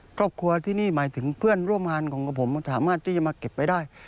ครอบครัวที่นี่หมายถึงเพื่อนร่วมงานของผมสามารถที่จะมาเก็บไว้ได้